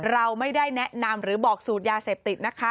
เราไม่ได้แนะนำหรือบอกสูตรยาเสพติดนะคะ